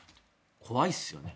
怖いですよね。